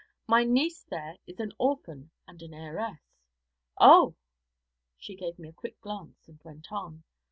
My niece there is an orphan and an heiress.' 'Oh!' She gave me a quick glance and went on.